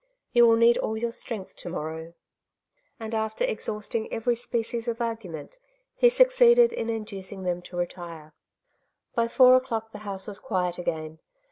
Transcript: ^'Tou will need all your strength to morrow/' And after exhausting every species of argument he succeeded in inducing them to retire. By four o'clock the house was quiet again.